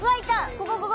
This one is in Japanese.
ここここ。